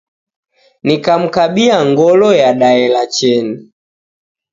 Nikamkabia ngolo yadaela cheni